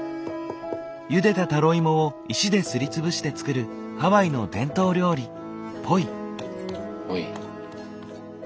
ゆでたタロイモを石ですり潰して作るハワイの伝統料理ポイ。